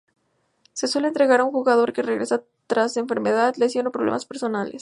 Se suele entregar a un jugador que regresa tras enfermedad, lesión o problemas personales.